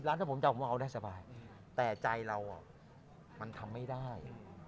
๑๐๒๐ล้านถ้าผมคิดจะเอามันเอาได้สบายแต่ใจเรามันทำไม่ได้